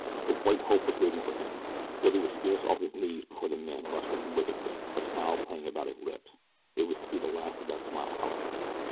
The "white hope" was waiting for him. Billy was scarce off his knees before the man rushed at him wickedly, a smile playing about his lips. It was to be the last of that smile, however.